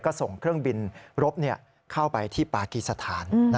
ก็ส่งเครื่องบินรบเข้าไปที่ปากีสถาน